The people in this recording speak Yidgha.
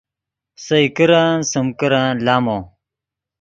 سئے کرن سیم کرن لامو